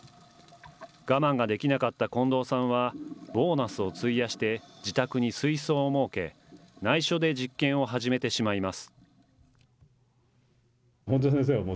我慢ができなかった近藤さんは、ボーナスを費やして自宅に水槽を設け、ないしょで実験を始めてしまいます。